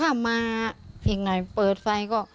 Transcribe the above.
ข้ามมาเพียงไหนเปิดไฟก็